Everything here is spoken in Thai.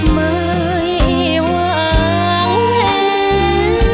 ไม่วางเพ้น